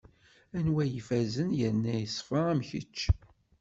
Anwa i yefazen yerna yeṣfa am kečč?